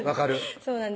そうなんですよ